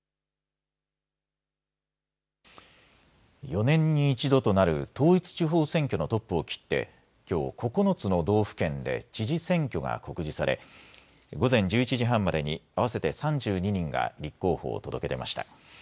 ４年に一度となる統一地方選挙のトップを切ってきょう９つの道府県で知事選挙が告示され午前１１時半までに合わせて３２人が立候補を届け出ました。